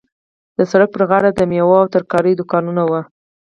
د سړک پر غاړه د میوو او ترکاریو دوکانونه وو.